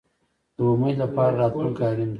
د امید لپاره راتلونکی اړین دی